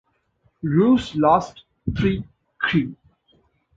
Rous lost three crew.